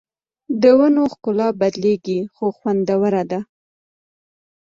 د ونو ښکلا بدلېږي خو خوندوره ده